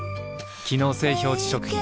機能性表示食品